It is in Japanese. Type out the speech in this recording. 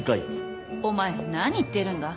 お前何言ってるんだ？